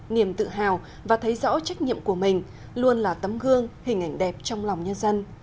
niềm tự hào và thấy rõ trách nhiệm của mình luôn là tấm gương hình ảnh đẹp trong lòng nhân dân